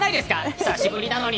久しぶりなのに。